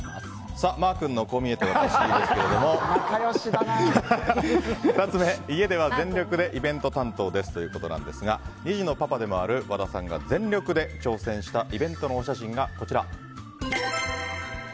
まー君のこう見えてワタシですが２つ目家では全力でイベント担当ですということですが２児のパパでもある和田さんが全力で参加したすごい！